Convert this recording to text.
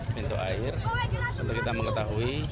pintu air untuk kita mengetahui